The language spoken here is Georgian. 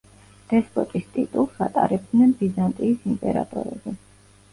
დესპოტის ტიტულს ატარებდნენ ბიზანტიის იმპერატორები.